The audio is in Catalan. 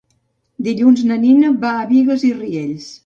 Dilluns na Nina va a Bigues i Riells.